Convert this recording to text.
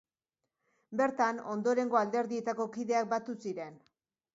Bertan ondorengo alderdietako kideak batu ziren.